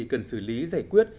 cần xử lý giải quyết